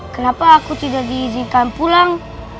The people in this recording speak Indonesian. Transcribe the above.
kenapa aku tidak diizinkan pulang